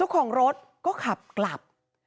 ก็ขับกลับ